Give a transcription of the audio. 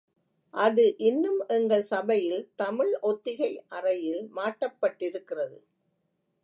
அது இன்னும் எங்கள் சபையில் தமிழ் ஒத்திகை அறையில் மாட்டப்பட்டிருக்கிறது.